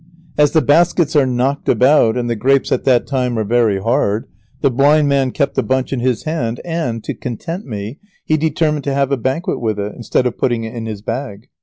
As the baskets are knocked about, and the grapes at that time are very hard, the blind man kept the bunch in his hand and, to content me, he determined to have a banquet with it, instead of putting it in his bag.